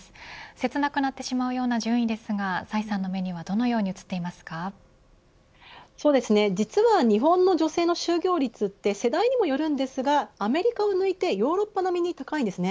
切なくなってしまうような順位ですが崔さんの目には実は日本の女性の就業率って世代にもよるんですがアメリカを抜いてヨーロッパ並みに高いんです。